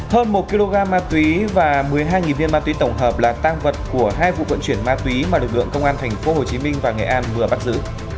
hơn một kg ma túy và một mươi hai viên ma túy tổng hợp là tăng vật của hai vụ vận chuyển ma túy mà lực lượng công an tp hcm và nghệ an vừa bắt giữ